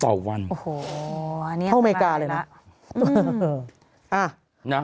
เท่าไว้กาเลยนะ